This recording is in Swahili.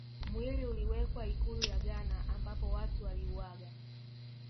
Mwili uliwekwa ikulu ya Ghana ambapo Watu waliuaga